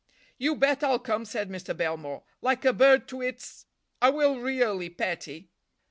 "You bet I'll come," said Mr. Belmore, "like a bird to its—I will, really, petty."